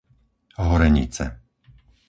Horenice